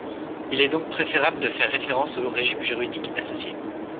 Il est donc préférable de faire référence au régime juridique associé.